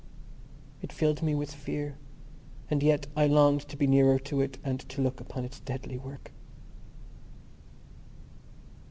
It filled me with fear, and yet I longed to be nearer to it and to look upon its deadly work.